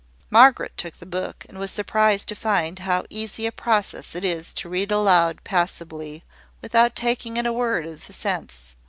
Margaret took the book, and was surprised to find how easy a process it is to read aloud passably without taking in a word of the sense.